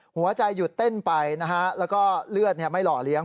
หัวใจหยุดเต้นไปนะฮะแล้วก็เลือดไม่หล่อเลี้ยง